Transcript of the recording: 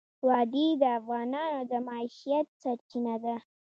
وادي د افغانانو د معیشت سرچینه ده.